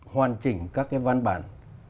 hoàn chỉnh các cái văn bản